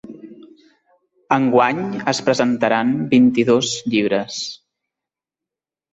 Enguany es presentaran vint-i-dos llibres.